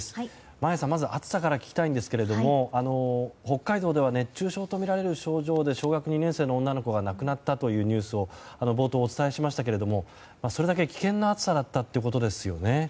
眞家さんまず暑さから聞きたいんですが北海道では熱中症とみられる症状で小学２年生の女の子が亡くなったというニュースを冒頭にお伝えしましたけれどもそれだけ危険な暑さだったということですよね。